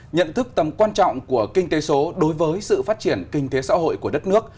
nhận thức tầm quan trọng của kinh tế số đối với sự phát triển kinh tế xã hội của đất nước